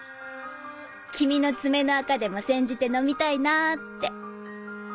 君の爪の垢でも煎じて飲みたいなって。